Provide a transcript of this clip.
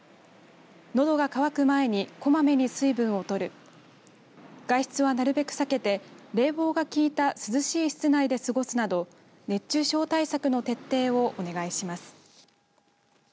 のどが渇く前にこまめに水分をとる外出はなるべく避けて冷房が効いた涼しい室内で過ごすなど熱中症対策の徹底をお願いします。